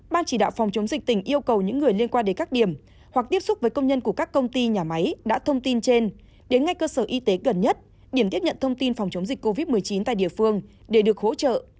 ban chỉ đạo phòng chống dịch tỉnh yêu cầu những người liên quan đến các điểm hoặc tiếp xúc với công nhân của các công ty nhà máy đã thông tin trên đến ngay cơ sở y tế gần nhất điểm tiếp nhận thông tin phòng chống dịch covid một mươi chín tại địa phương để được hỗ trợ